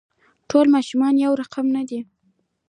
ټول ماشومان يو رقم نه دي.